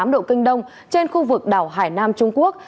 một trăm linh chín tám độ kinh đông trên khu vực đảo hải nam trung quốc